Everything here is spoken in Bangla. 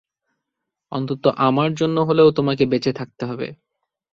অন্তত, আমার জন্য হলেও তোমাকে বেঁচে থাকতে হবে!